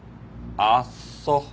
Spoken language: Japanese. あっそう。